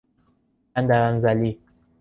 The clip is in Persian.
بندر انزلی